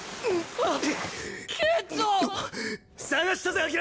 あっ。